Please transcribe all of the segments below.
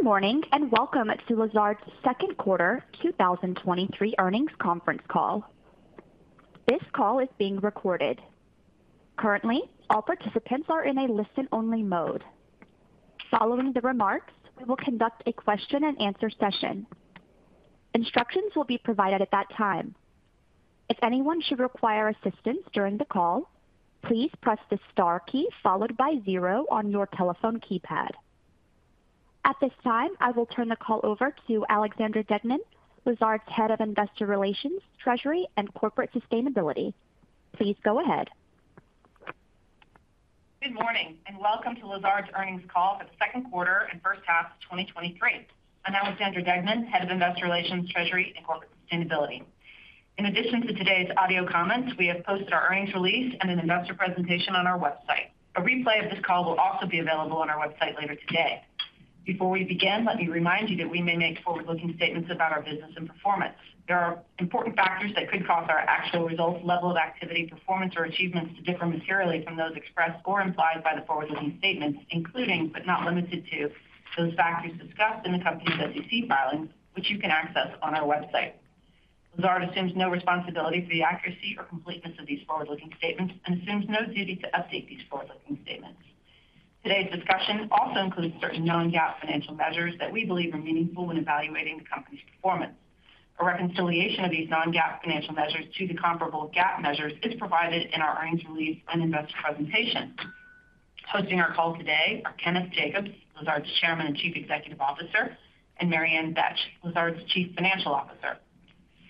Good morning, and welcome to Lazard's second quarter 2023 earnings conference call. This call is being recorded. Currently, all participants are in a listen-only mode. Following the remarks, we will conduct a question-and-answer session. Instructions will be provided at that time. If anyone should require assistance during the call, please press the star key followed by zero on your telephone keypad. At this time, I will turn the call over to Alexandra Deignan, Lazard's Head of Investor Relations, Treasury, and Corporate Sustainability. Please go ahead. Good morning, and welcome to Lazard's earnings call for the second quarter and first half of 2023. I'm Alexandra Deignan, Head of Investor Relations, Treasury, and Corporate Sustainability. In addition to today's audio comments, we have posted our earnings release and an investor presentation on our website. A replay of this call will also be available on our website later today. Before we begin, let me remind you that we may make forward-looking statements about our business and performance. There are important factors that could cause our actual results, level of activity, performance, or achievements to differ materially from those expressed or implied by the forward-looking statements, including, but not limited to, those factors discussed in the company's SEC filings, which you can access on our website. Lazard assumes no responsibility for the accuracy or completeness of these forward-looking statements and assumes no duty to update these forward-looking statements. Today's discussion also includes certain non-GAAP financial measures that we believe are meaningful in evaluating the company's performance. A reconciliation of these non-GAAP financial measures to the comparable GAAP measures is provided in our earnings release and investor presentation. Hosting our call today are Kenneth Jacobs, Lazard's Chairman and Chief Executive Officer, and Mary Ann Betsch, Lazard's Chief Financial Officer.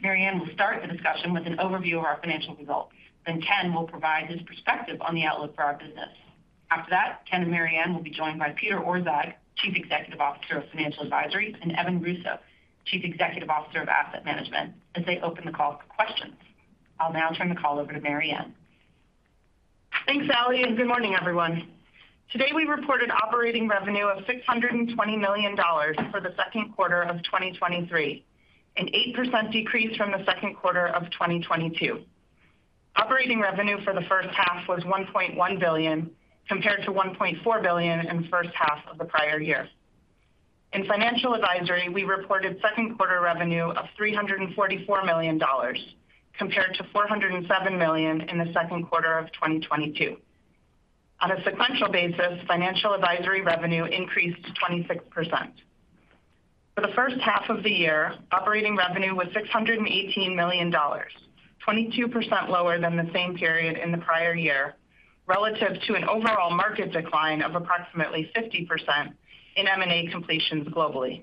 Mary Ann will start the discussion with an overview of our financial results. Ken will provide his perspective on the outlook for our business. Ken and Mary Ann will be joined by Peter Orszag, Chief Executive Officer of Financial Advisory, and Evan Russo, Chief Executive Officer of Asset Management, as they open the call for questions. I'll now turn the call over to Mary Ann. Thanks, Ally. Good morning, everyone. Today, we reported operating revenue of $620 million for the second quarter of 2023, an 8% decrease from the second quarter of 2022. Operating revenue for the first half was $1.1 billion, compared to $1.4 billion in the first half of the prior year. In financial advisory, we reported second quarter revenue of $344 million, compared to $407 million in the second quarter of 2022. On a sequential basis, financial advisory revenue increased 26%. For the first half of the year, operating revenue was $618 million, 22% lower than the same period in the prior year, relative to an overall market decline of approximately 50% in M&A completions globally.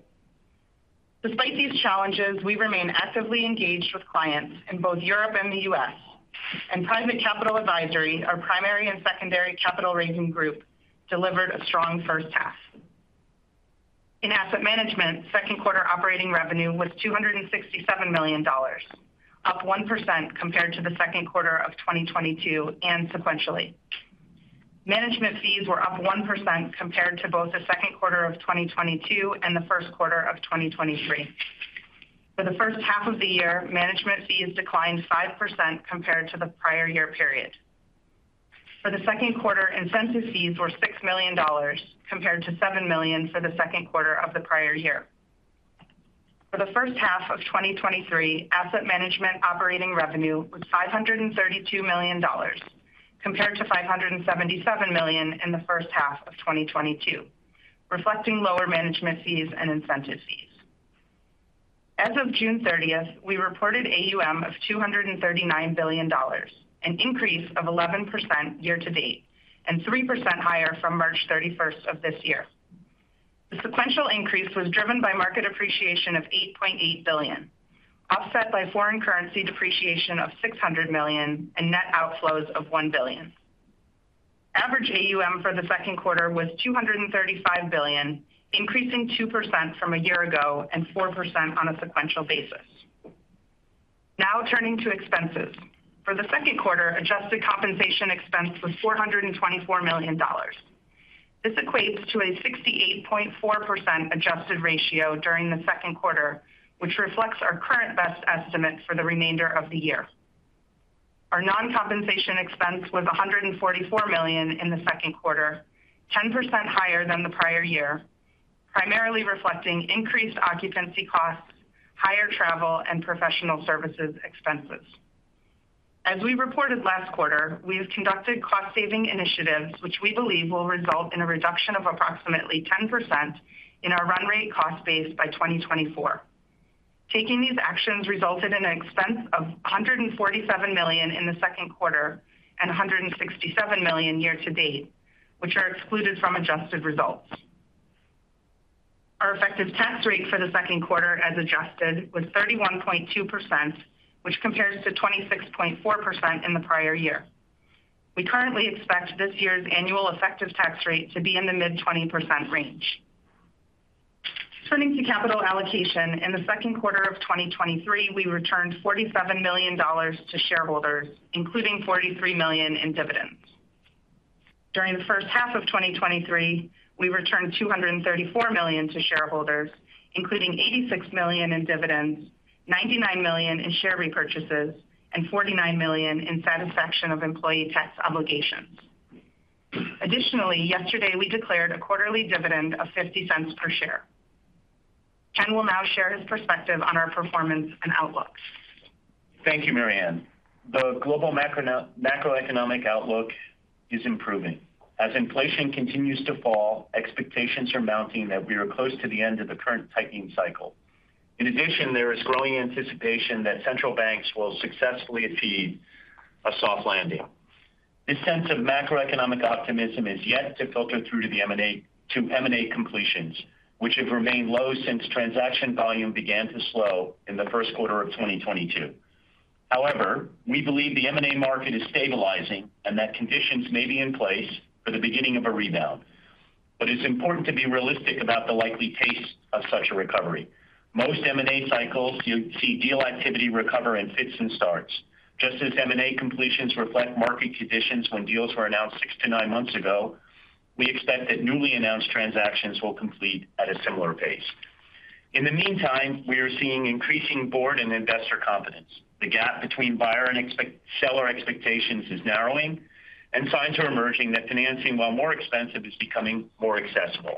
Despite these challenges, we remain actively engaged with clients in both Europe and the US, and Private Capital Advisory, our primary and secondary capital raising group, delivered a strong first half. In asset management, second quarter operating revenue was $267 million, up 1% compared to the second quarter of 2022 and sequentially. Management fees were up 1% compared to both the second quarter of 2022 and the first quarter of 2023. For the first half of the year, management fees declined 5% compared to the prior year period. For the second quarter, incentive fees were $6 million, compared to $7 million for the second quarter of the prior year. For the first half of 2023, asset management operating revenue was $532 million, compared to $577 million in the first half of 2022, reflecting lower management fees and incentive fees. As of June 30th, we reported AUM of $239 billion, an increase of 11% year to date, and 3% higher from March 31st of this year. The sequential increase was driven by market appreciation of $8.8 billion, offset by foreign currency depreciation of $600 million and net outflows of $1 billion. Average AUM for the second quarter was $235 billion, increasing 2% from a year ago and 4% on a sequential basis. Now turning to expenses. For the second quarter, adjusted compensation expense was $424 million. This equates to a 68.4% adjusted ratio during the second quarter, which reflects our current best estimate for the remainder of the year. Our non-compensation expense was $144 million in the second quarter, 10% higher than the prior year, primarily reflecting increased occupancy costs, higher travel, and professional services expenses. As we reported last quarter, we have conducted cost-saving initiatives, which we believe will result in a reduction of approximately 10% in our run rate cost base by 2024. Taking these actions resulted in an expense of $147 million in the second quarter and $167 million year to date, which are excluded from adjusted results. Our effective tax rate for the second quarter, as adjusted, was 31.2%, which compares to 26.4% in the prior year. We currently expect this year's annual effective tax rate to be in the mid-20% range. Turning to capital allocation, in the second quarter of 2023, we returned $47 million to shareholders, including $43 million in dividends. During the first half of 2023, we returned $234 million to shareholders, including $86 million in dividends, $99 million in share repurchases, and $49 million in satisfaction of employee tax obligations. Additionally, yesterday, we declared a quarterly dividend of $0.50 per share. Ken will now share his perspective on our performance and outlook. Thank you, Mary Ann. The global macroeconomic outlook is improving. As inflation continues to fall, expectations are mounting that we are close to the end of the current tightening cycle. There is growing anticipation that central banks will successfully achieve a soft landing. This sense of macroeconomic optimism is yet to filter through to M&A completions, which have remained low since transaction volume began to slow in the first quarter of 2022. We believe the M&A market is stabilizing and that conditions may be in place for the beginning of a rebound. It's important to be realistic about the likely pace of such a recovery. Most M&A cycles, you see deal activity recover in fits and starts. Just as M&A completions reflect market conditions when deals were announced 6-9 months ago, we expect that newly announced transactions will complete at a similar pace. In the meantime, we are seeing increasing board and investor confidence. The gap between buyer and seller expectations is narrowing, and signs are emerging that financing, while more expensive, is becoming more accessible.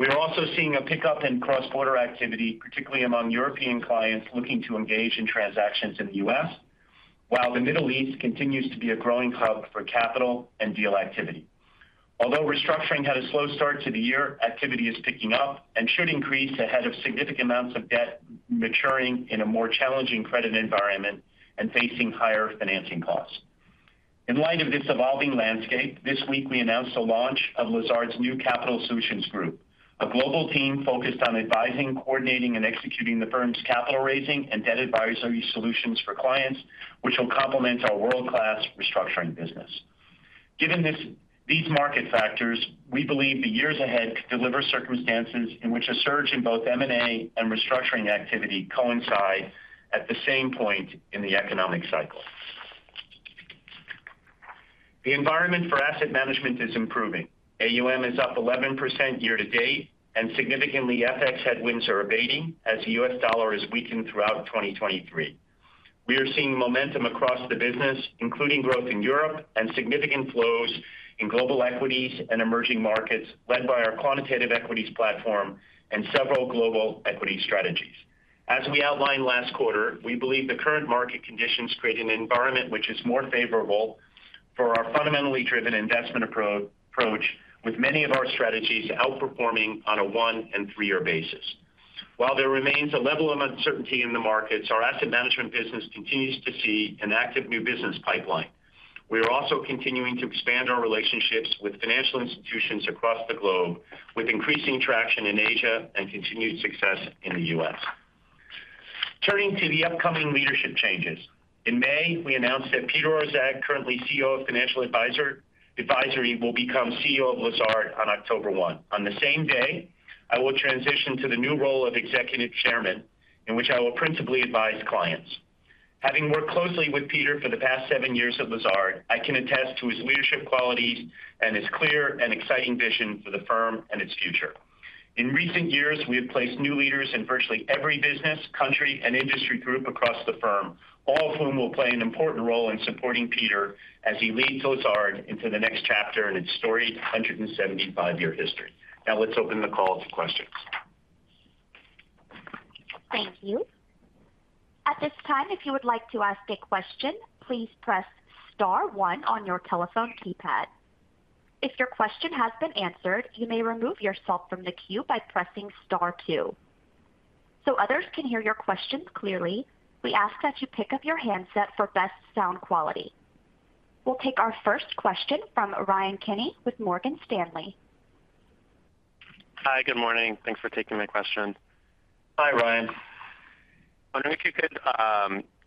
We are also seeing a pickup in cross-border activity, particularly among European clients looking to engage in transactions in the U.S., while the Middle East continues to be a growing hub for capital and deal activity. Although restructuring had a slow start to the year, activity is picking up and should increase ahead of significant amounts of debt maturing in a more challenging credit environment and facing higher financing costs. In light of this evolving landscape, this week we announced the launch of Lazard's new capital solutions group, a global team focused on advising, coordinating, and executing the firm's capital raising and debt advisory solutions for clients, which will complement our world-class restructuring business. Given these market factors, we believe the years ahead could deliver circumstances in which a surge in both M&A and restructuring activity coincide at the same point in the economic cycle. The environment for asset management is improving. AUM is up 11% year to date, and significantly, FX headwinds are abating as the US dollar has weakened throughout 2023. We are seeing momentum across the business, including growth in Europe and significant flows in global equities and emerging markets, led by our quantitative equities platform and several global equity strategies. As we outlined last quarter, we believe the current market conditions create an environment which is more favorable for our fundamentally driven investment approach, with many of our strategies outperforming on a one and three-year basis. While there remains a level of uncertainty in the markets, our asset management business continues to see an active new business pipeline. We are also continuing to expand our relationships with financial institutions across the globe, with increasing traction in Asia and continued success in the U.S. Turning to the upcoming leadership changes. In May, we announced that Peter Orszag, currently CEO of Financial Advisory, will become CEO of Lazard on October 1. On the same day, I will transition to the new role of Executive Chairman, in which I will principally advise clients. Having worked closely with Peter for the past 7 years at Lazard, I can attest to his leadership qualities and his clear and exciting vision for the firm and its future. In recent years, we have placed new leaders in virtually every business, country, and industry group across the firm, all of whom will play an important role in supporting Peter as he leads Lazard into the next chapter in its storied 175-year history. Let's open the call to questions. Thank you. At this time, if you would like to ask a question, please press star one on your telephone keypad. If your question has been answered, you may remove yourself from the queue by pressing star two. Others can hear your questions clearly, we ask that you pick up your handset for best sound quality. We'll take our first question from Ryan Kenny with Morgan Stanley. Hi, good morning. Thanks for taking my question. Hi, Ryan. Wondering if you could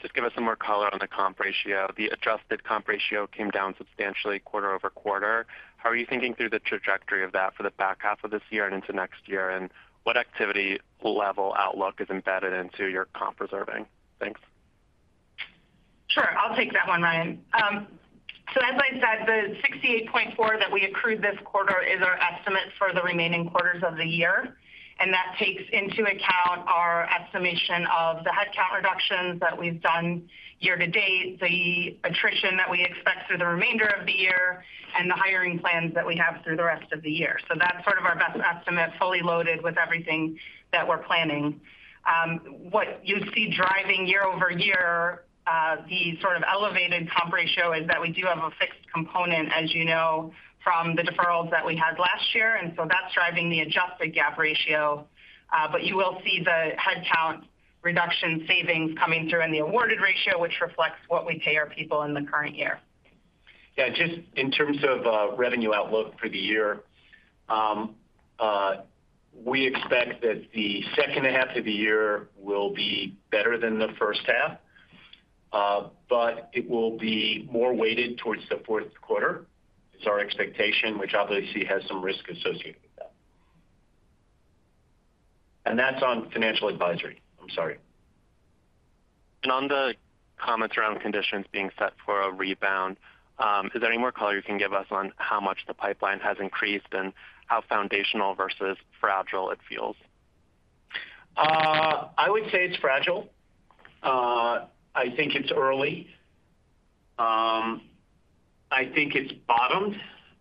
just give us some more color on the comp ratio? The adjusted comp ratio came down substantially quarter-over-quarter. How are you thinking through the trajectory of that for the back half of this year and into next year? What activity level outlook is embedded into your comp reserving? Thanks. Sure. I'll take that one, Ryan. As I said, the $68.4 that we accrued this quarter is our estimate for the remaining quarters of the year, and that takes into account our estimation of the headcount reductions that we've done year-to-date, the attrition that we expect through the remainder of the year, and the hiring plans that we have through the rest of the year. That's sort of our best estimate, fully loaded with everything that we're planning. What you see driving year-over-year, the sort of elevated comp ratio is that we do have a fixed component, as you know, from the deferrals that we had last year, that's driving the adjusted GAAP ratio. You will see the headcount reduction savings coming through in the awarded ratio, which reflects what we pay our people in the current year. Yeah, just in terms of revenue outlook for the year, we expect that the second half of the year will be better than the first half, but it will be more weighted towards the fourth quarter, is our expectation, which obviously has some risk associated with that. That's on financial advisory. I'm sorry. On the comments around conditions being set for a rebound, is there any more color you can give us on how much the pipeline has increased and how foundational versus fragile it feels? I would say it's fragile. I think it's early. I think it's bottomed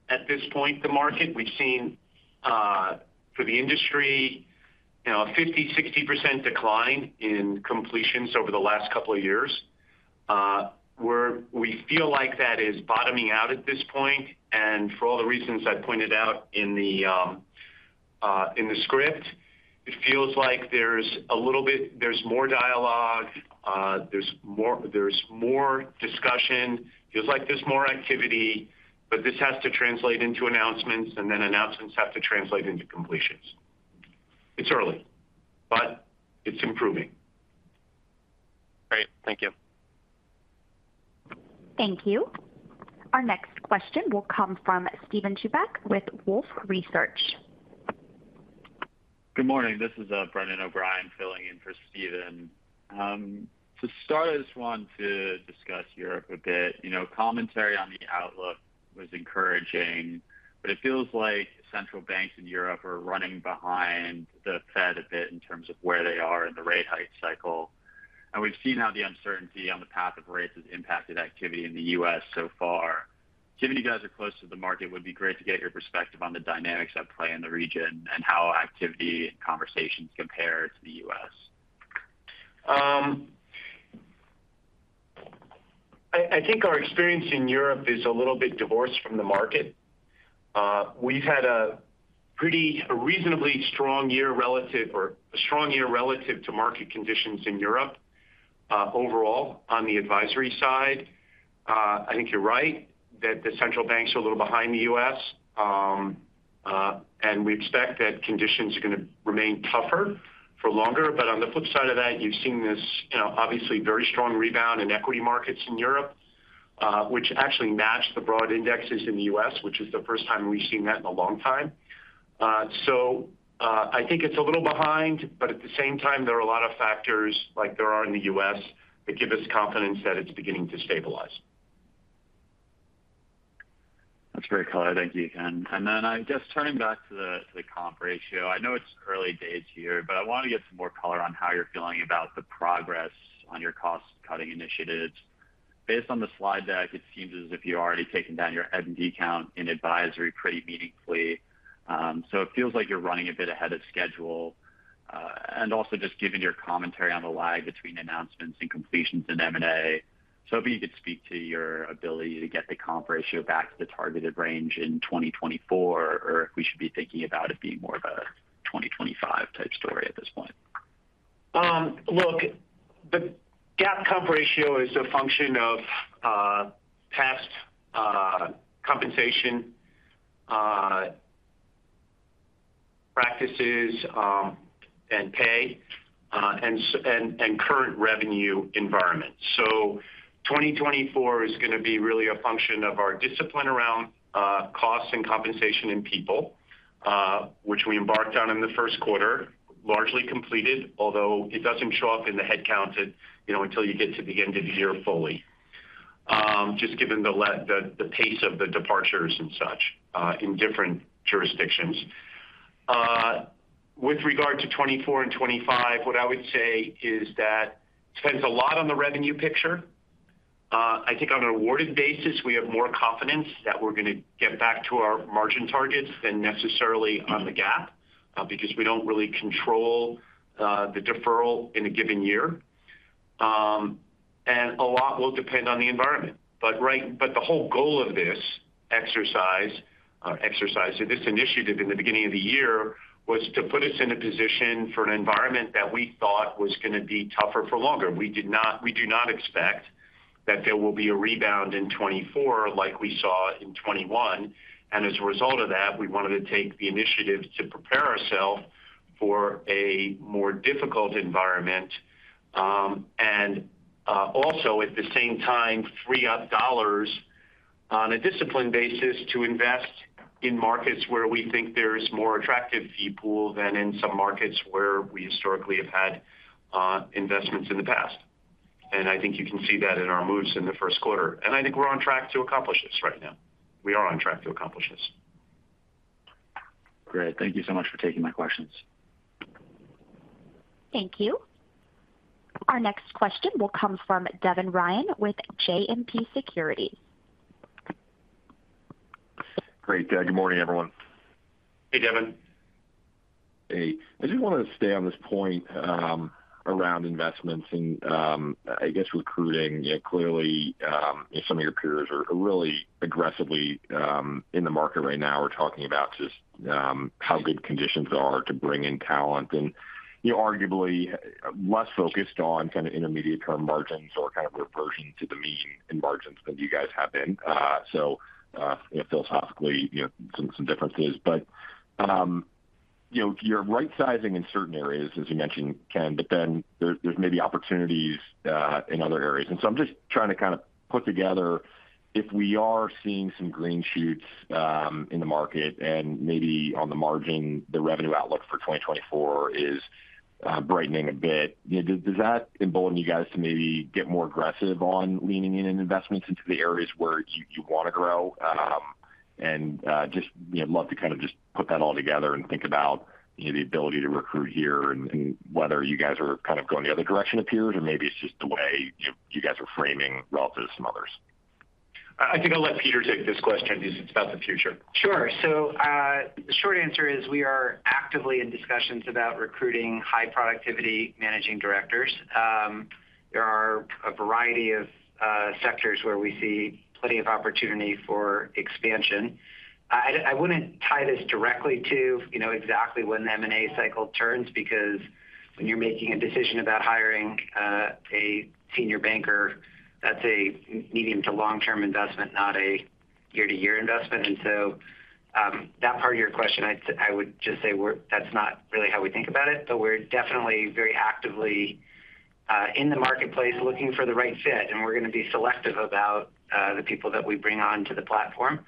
at this point, the market. We've seen for the industry, you know, a 50%-60% decline in completions over the last couple of years. We feel like that is bottoming out at this point. For all the reasons I pointed out in the script, it feels like there's a little bit, there's more dialogue, there's more discussion. Feels like there's more activity, but this has to translate into announcements. Then announcements have to translate into completions. It's early, but it's improving. Great. Thank you. Thank you. Our next question will come from Steven Chubak with Wolfe Research. Good morning. This is Brendan O'Brien, filling in for Steven. To start, I just want to discuss Europe a bit. You know, commentary on the outlook was encouraging, but it feels like central banks in Europe are running behind the Fed a bit in terms of where they are in the rate hike cycle. We've seen how the uncertainty on the path of rates has impacted activity in the U.S. so far. Given you guys are close to the market, it would be great to get your perspective on the dynamics at play in the region and how activity and conversations compare to the U.S. I think our experience in Europe is a little bit divorced from the market. We've had a reasonably strong year relative or a strong year relative to market conditions in Europe, overall, on the advisory side. I think you're right that the central banks are a little behind the U.S. We expect that conditions are going to remain tougher for longer. On the flip side of that, you've seen this, you know, obviously very strong rebound in equity markets in Europe, which actually matched the broad indexes in the U.S. which is the first time we've seen that in a long time. I think it's a little behind, but at the same time, there are a lot of factors, like there are in the U.S., that give us confidence that it's beginning to stabilize. That's great color. Thank you, Ken. Then I'm just turning back to the comp ratio. I know it's early days here, but I want to get some more color on how you're feeling about the progress on your cost-cutting initiatives. Based on the slide deck, it seems as if you're already taking down your head and headcount in advisory pretty meaningfully. It feels like you're running a bit ahead of schedule. Also just given your commentary on the lag between announcements and completions in M&A. If you could speak to your ability to get the comp ratio back to the targeted range in 2024, or if we should be thinking about it being more of a 2025 type story at this point? Look, the GAAP comp ratio is a function of past compensation practices, and pay, and current revenue environment. 2024 is going to be really a function of our discipline around costs and compensation in people, which we embarked on in the first quarter, largely completed, although it doesn't show up in the head count until, you know, until you get to the end of the year fully. Just given the pace of the departures and such in different jurisdictions. With regard to 2024 and 2025, what I would say is that it depends a lot on the revenue picture. I think on an awarded basis, we have more confidence that we're going to get back to our margin targets than necessarily on the GAAP, because we don't really control the deferral in a given year. A lot will depend on the environment. The whole goal of this exercise, this initiative in the beginning of the year, was to put us in a position for an environment that we thought was going to be tougher for longer. We do not expect that there will be a rebound in 2024 like we saw in 2021. As a result of that, we wanted to take the initiative to prepare ourselves for a more difficult environment, and also at the same time, free up dollars on a disciplined basis to invest in markets where we think there is more attractive fee pool than in some markets where we historically have had investments in the past. I think you can see that in our moves in the first quarter, and I think we're on track to accomplish this right now. We are on track to accomplish this. Great. Thank you so much for taking my questions. Thank you. Our next question will come from Devin Ryan with JMP Securities. Great. Good morning, everyone. Hey, Devin. Hey, I just wanted to stay on this point, around investments and I guess recruiting. Clearly, some of your peers are really aggressively in the market right now. We're talking about just how good conditions are to bring in talent and, you know, arguably less focused on kind of intermediate-term margins or kind of reversion to the mean in margins than you guys have been. So, philosophically, you know, some differences. You know, you're right sizing in certain areas, as you mentioned, Ken, then there's maybe opportunities in other areas. I'm just trying to kind of put together if we are seeing some green shoots in the market, and maybe on the margin, the revenue outlook for 2024 is brightening a bit. You know, does that embolden you guys to maybe get more aggressive on leaning in on investments into the areas where you want to grow? Just, you know, love to kind of just put that all together and think about, you know, the ability to recruit here and whether you guys are kind of going the other direction of peers, or maybe it's just the way you guys are framing relative to some others. I think I'll let Peter take this question, because it's about the future. Sure. The short answer is we are actively in discussions about recruiting high productivity managing directors. There are a variety of sectors where we see plenty of opportunity for expansion. I wouldn't tie this directly to, you know, exactly when the M&A cycle turns, because when you're making a decision about hiring a senior banker, that's a medium to long-term investment, not a year-to-year investment. That part of your question, I would just say that's not really how we think about it, but we're definitely very actively in the marketplace, looking for the right fit, and we're gonna be selective about the people that we bring onto the platform.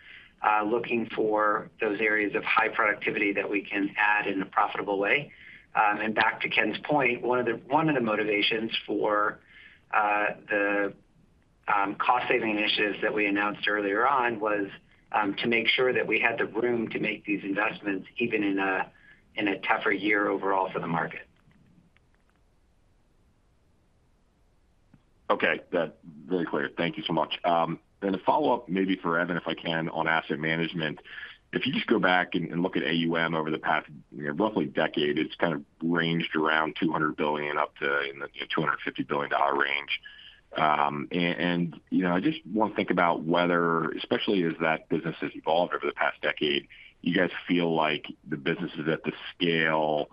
Looking for those areas of high productivity that we can add in a profitable way. Back to Ken's point, one of the motivations for the cost saving initiatives that we announced earlier on was to make sure that we had the room to make these investments, even in a tougher year overall for the market. Okay, that's very clear. Thank you so much. A follow-up, maybe for Evan, if I can, on Asset Management. If you just go back and look at AUM over the past, you know, roughly decade, it's kind of ranged around $200 billion, up to, you know, $250 billion range. You know, I just want to think about whether, especially as that business has evolved over the past decade, you guys feel like the business is at the scale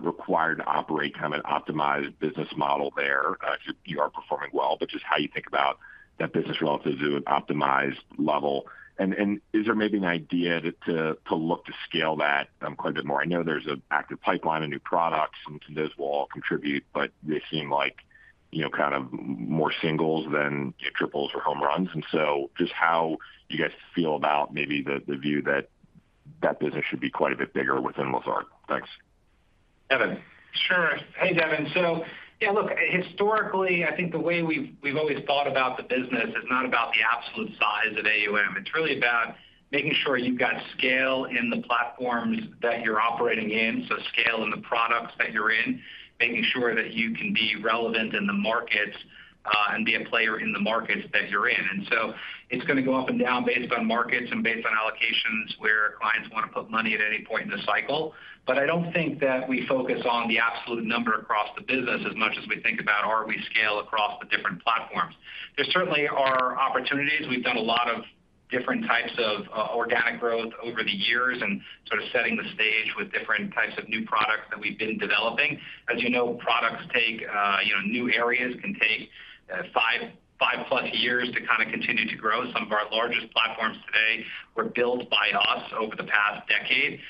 required to operate kind of an optimized business model there. You are performing well, but just how you think about that business relative to an optimized level. Is there maybe an idea to look to scale that quite a bit more? I know there's an active pipeline of new products, and those will all contribute, but they seem like, you know, kind of more singles than triples or home runs. Just how you guys feel about maybe the view that that business should be quite a bit bigger within Lazard. Thanks. Evan. Sure. Hey, Devin. Yeah, look, historically, I think the way we've always thought about the business is not about the absolute size of AUM. It's really about making sure you've got scale in the platforms that you're operating in, so scale in the products that you're in. Making sure that you can be relevant in the markets, and be a player in the markets that you're in. It's gonna go up and down based on markets and based on allocations, where clients want to put money at any point in the cycle. I don't think that we focus on the absolute number across the business as much as we think about are we scale across the different platforms. There certainly are opportunities. We've done a lot of different types of organic growth over the years and sort of setting the stage with different types of new products that we've been developing. As you know, products take, you know, new areas can take 5+ years to kind of continue to grow. Some of our largest platforms today were built by us over the past decade,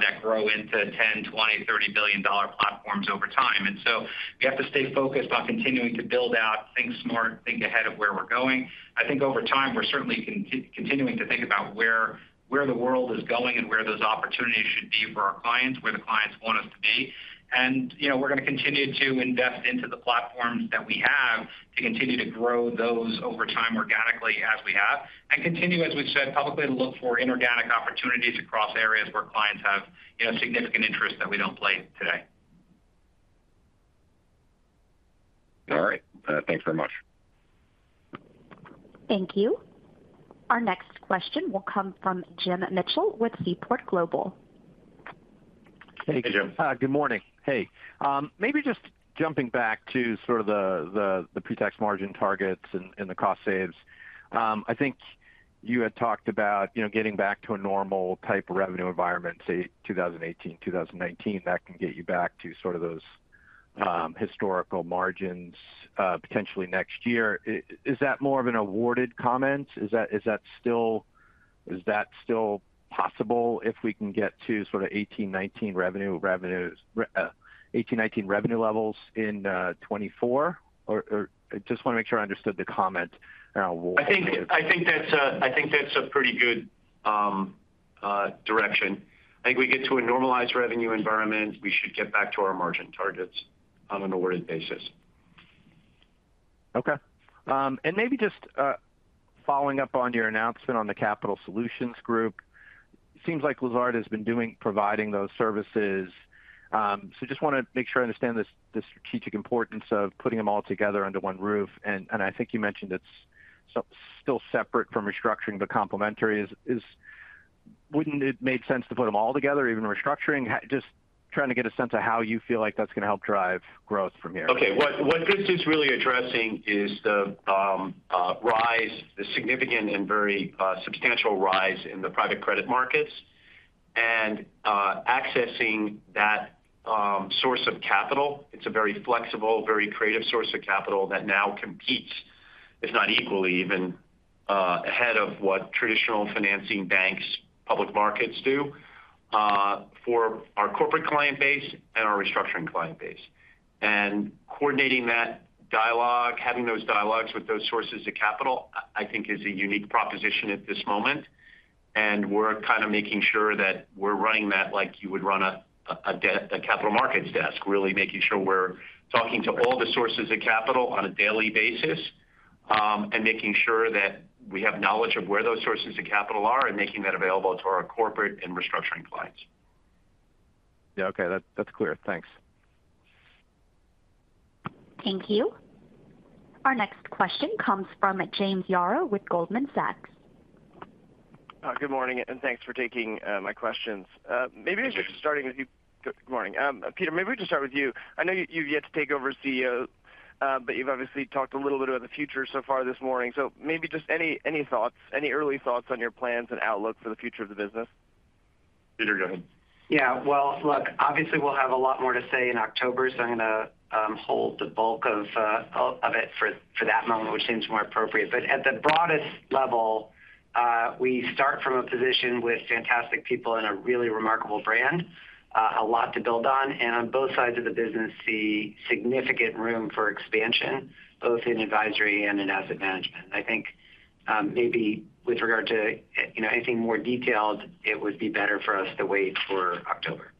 that grow into $10 billion, $20 billion, $30 billion platforms over time. We have to stay focused on continuing to build out, think smart, think ahead of where we're going. I think over time, we're certainly continuing to think about where the world is going and where those opportunities should be for our clients, where the clients want us to be. You know, we're gonna continue to invest into the platforms that we have, to continue to grow those over time, organically, as we have, and continue, as we've said publicly, to look for inorganic opportunities across areas where clients have, you know, significant interest that we don't play today. All right, thanks very much. Thank you. Our next question will come from Jim Mitchell with Seaport Global. Hey, Jim. Good morning. Hey, maybe just jumping back to sort of the pretax margin targets and the cost saves. I think you had talked about, you know, getting back to a normal type of revenue environment, say, 2018, 2019, that can get you back to sort of those historical margins, potentially next year. Is that more of an awarded comment? Is that still possible if we can get to sort of 18, 19 revenue, revenues, 18, 19 revenue levels in 2024? I just want to make sure I understood the comment. I think that's a pretty good direction. We get to a normalized revenue environment, we should get back to our margin targets on an awarded basis. Okay. Maybe just following up on your announcement on the capital solutions group. Seems like Lazard has been doing providing those services. Just want to make sure I understand the strategic importance of putting them all together under one roof. I think you mentioned it's still separate from restructuring, but complementary. Wouldn't it make sense to put them all together, even restructuring? Just trying to get a sense of how you feel like that's going to help drive growth from here. Okay. What this is really addressing is the rise, the significant and very substantial rise in the private credit markets and accessing that source of capital. It's a very flexible, very creative source of capital that now competes, if not equally, even ahead of what traditional financing banks, public markets do for our corporate client base and our restructuring client base. Coordinating that dialogue, having those dialogues with those sources of capital, I think is a unique proposition at this moment. We're kind of making sure that we're running that like you would run a debt, a capital markets desk. Really making sure we're talking to all the sources of capital on a daily basis, and making sure that we have knowledge of where those sources of capital are, and making that available to our corporate and restructuring clients. Yeah, okay. That's clear. Thanks. Thank you. Our next question comes from James Yaro with Goldman Sachs. Good morning, and thanks for taking my questions. Good morning. Peter, maybe we can start with you. I know you've yet to take over as CEO, but you've obviously talked a little bit about the future so far this morning. Maybe just any thoughts, any early thoughts on your plans and outlook for the future of the business? Peter, go ahead. Well, look, obviously, we'll have a lot more to say in October. I'm going to hold the bulk of it for that moment, which seems more appropriate. At the broadest level, we start from a position with fantastic people and a really remarkable brand. A lot to build on. On both sides of the business, see significant room for expansion, both in advisory and in asset management. I think, maybe with regard to, you know, anything more detailed, it would be better for us to wait for October.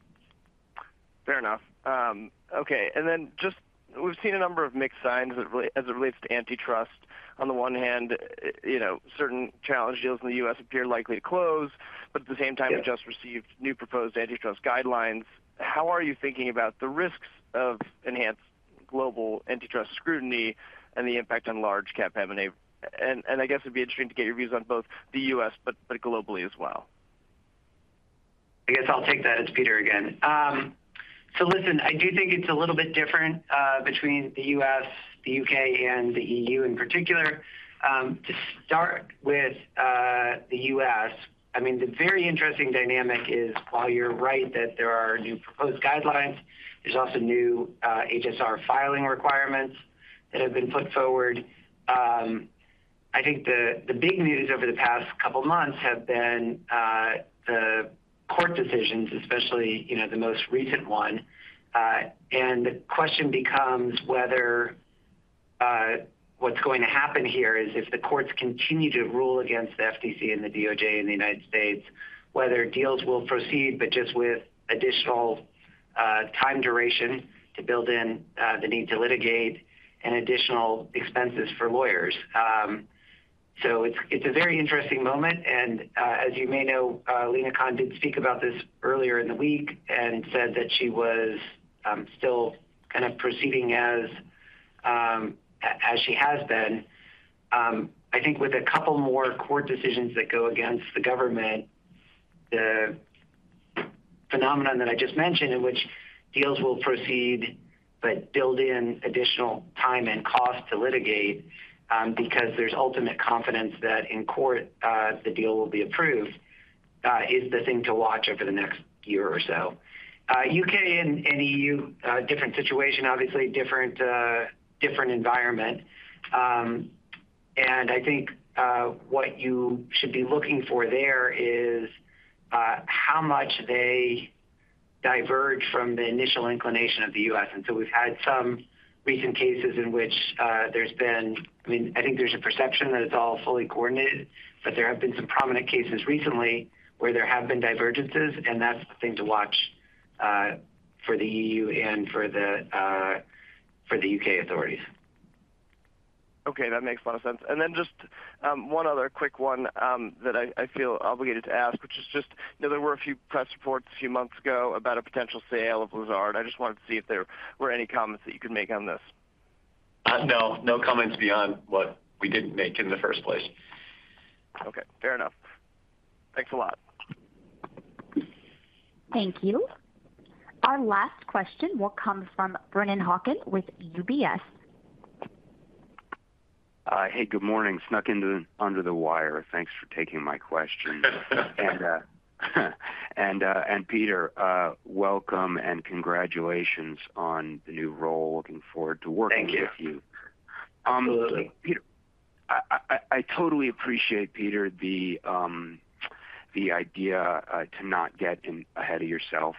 Fair enough. Okay, just... We've seen a number of mixed signs as it relates to antitrust. On the one hand, you know, certain challenge deals in the US appear likely to close, at the same time- Yeah We've just received new proposed antitrust guidelines. How are you thinking about the risks of enhanced global antitrust scrutiny and the impact on large cap M&A? I guess it'd be interesting to get your views on both the U.S. but globally as well. I guess I'll take that. It's Peter again. Listen, I do think it's a little bit different between the U.S., the U.K., and the EU in particular. To start with the U.S., I mean, the very interesting dynamic is, while you're right, that there are new proposed guidelines, there's also new HSR filing requirements that have been put forward. I think the big news over the past couple of months have been the court decisions, especially, you know, the most recent one. The question becomes whether what's going to happen here is if the courts continue to rule against the FTC and the DOJ in the United States, whether deals will proceed, but just with additional time duration to build in the need to litigate and additional expenses for lawyers. It's a very interesting moment. As you may know, Lina Khan did speak about this earlier in the week and said that she was still kind of proceeding as she has been. I think with 2 more court decisions that go against the government, the phenomenon that I just mentioned, in which deals will proceed but build in additional time and cost to litigate, because there's ultimate confidence that in court, the deal will be approved, is the thing to watch over the next year or so. U.K. and EU, different situation, obviously different environment. I think what you should be looking for there is how much they diverge from the initial inclination of the U.S. We've had some recent cases in which, I mean, I think there's a perception that it's all fully coordinated, but there have been some prominent cases recently where there have been divergences, and that's the thing to watch, for the EU and for the UK authorities. Okay, that makes a lot of sense. Just one other quick one that I feel obligated to ask, which is just, you know, there were a few press reports a few months ago about a potential sale of Lazard. I just wanted to see if there were any comments that you could make on this. No. No comments beyond what we didn't make in the first place. Okay, fair enough. Thanks a lot. Thank you. Our last question will come from Brennan Hawken with UBS. Hey, good morning. Snuck under the wire. Thanks for taking my question. Peter, welcome and congratulations on the new role. Looking forward to working with you. Thank you. Peter, I totally appreciate, Peter, the idea to not get in ahead of yourself,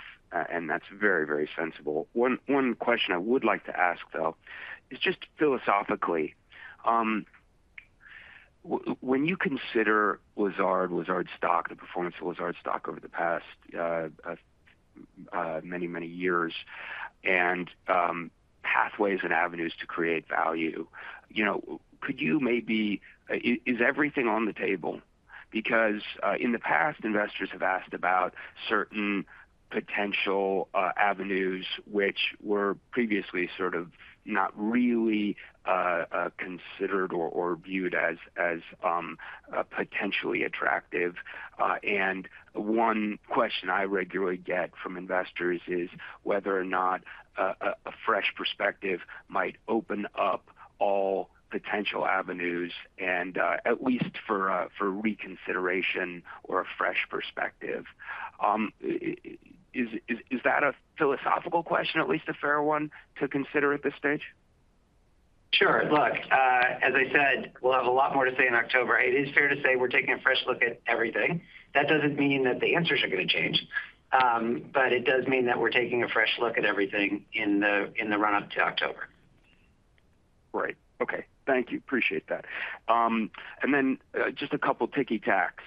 that's very, very sensible. One question I would like to ask, though, is just philosophically, when you consider Lazard stock, the performance of Lazard stock over the past, uh, many, many years, and pathways and avenues to create value, you know, could you maybe is everything on the table? In the past, investors have asked about certain potential avenues which were previously sort of not really, uh, considered or viewed as potentially attractive. One question I regularly get from investors is whether or not a fresh perspective might open up all potential avenues and, at least for reconsideration or a fresh perspective. Is that a philosophical question, at least a fair one to consider at this stage? Sure. Look, as I said, we'll have a lot more to say in October. It is fair to say we're taking a fresh look at everything. That doesn't mean that the answers are going to change, but it does mean that we're taking a fresh look at everything in the, in the run-up to October. Right. Okay. Thank you. Appreciate that. Just a couple ticky tackes.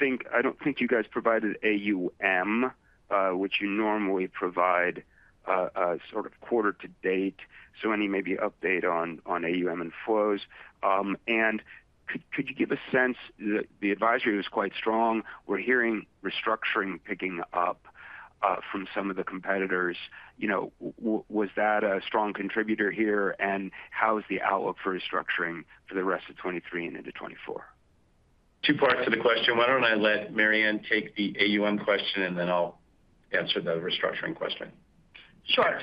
I don't think you guys provided AUM, which you normally provide, a sort of quarter to date. Any maybe update on AUM and flows? Could you give a sense, the advisory was quite strong? We're hearing restructuring picking up from some of the competitors. You know, was that a strong contributor here? How is the outlook for restructuring for the rest of 2023 and into 2024? Two parts to the question. Why don't I let Mary Ann take the AUM question, and then I'll answer the restructuring question. Sure.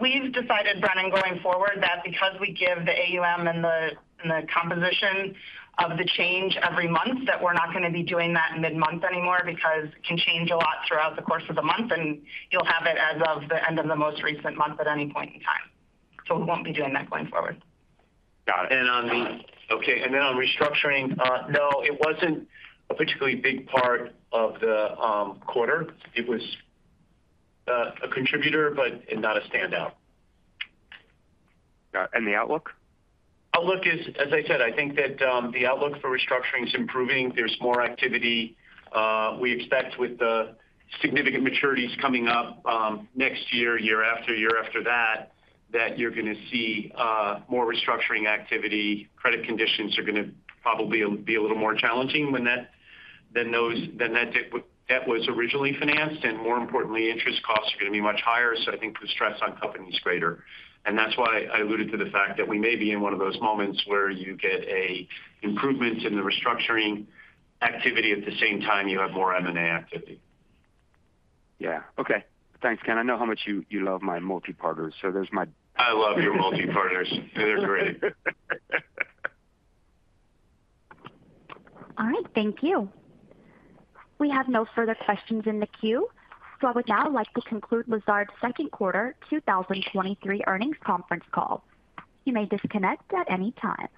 We've decided, Brennan, going forward, that because we give the AUM and the composition of the change every month, that we're not going to be doing that mid-month anymore because it can change a lot throughout the course of the month, and you'll have it as of the end of the most recent month at any point in time. We won't be doing that going forward. Got it. On restructuring, no, it wasn't a particularly big part of the quarter. It was a contributor, but not a standout. Got it. The outlook? Outlook is, as I said, I think that, the outlook for restructuring is improving. There's more activity. We expect with the significant maturities coming up, next year after year after that you're going to see, more restructuring activity. Credit conditions are going to probably be a little more challenging when that debt was originally financed, and more importantly, interest costs are going to be much higher. I think the stress on companies is greater, and that's why I alluded to the fact that we may be in one of those moments where you get a improvement in the restructuring activity, at the same time, you have more M&A activity. Yeah. Okay. Thanks, Ken. I know how much you love my multiparters. I love your multiparters. They're great. All right. Thank you. We have no further questions in the queue. I would now like to conclude Lazard's second quarter 2023 earnings conference call. You may disconnect at any time.